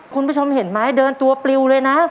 คุณผู้ชมเห็นไหมเดินตัวปลิวเลยนะ